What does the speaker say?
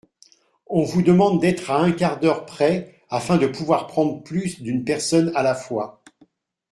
On vous demande d’être à un quart d’heure près afin de pouvoir prendre plus d’une personne à la fois.